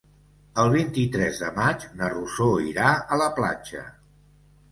El vint-i-tres de maig na Rosó irà a la platja.